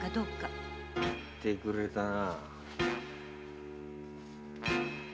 言ってくれたな。